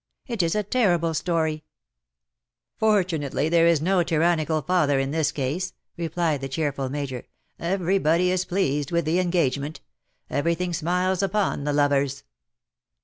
It is a terrible story V " Fortunately, there is no tyrannical father in this case,^' replied the cheerful Major. " Everybody is pleased with the engagement — everything smilesupon the lovers."